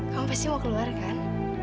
kamu pasti mau keluar kan